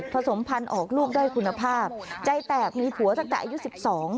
สมพันธุ์ออกลูกได้คุณภาพใจแตกมีผัวตั้งแต่อายุสิบสอง